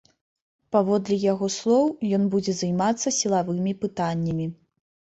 Паводле яго слоў, ён будзе займацца сілавымі пытаннямі.